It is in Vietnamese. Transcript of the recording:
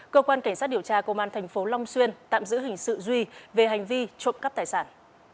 cơ quan cảnh sát điều tra công an tp long xuyên tạm giữ hình sự duy về hành vi trộm cắp tài sản